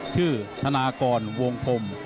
ชื่อธนากรวงพรม